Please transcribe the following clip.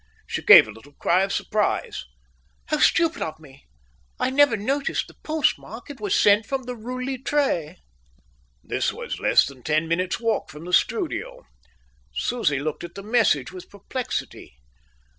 She gave a little cry of surprise. "How stupid of me! I never noticed the postmark. It was sent from the Rue Littré." This was less than ten minutes' walk from the studio. Susie looked at the message with perplexity.